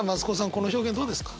この表現どうですか？